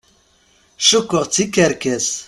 Cukkeɣ d tikerkas.